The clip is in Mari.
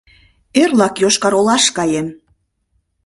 Эрлак Йошкар-Олаш каем.